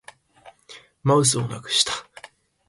マウスをなくした